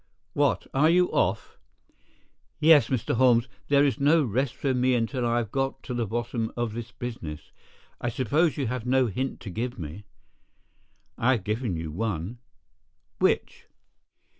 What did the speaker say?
What, are you off?" "Yes, Mr. Holmes, there is no rest for me until I have got to the bottom of the business. I suppose you have no hint to give me?" "I have given you one." "Which?"